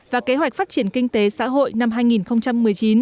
và kế hoạch phát triển kinh tế xã hội năm hai nghìn một mươi chín